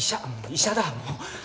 医者だもう。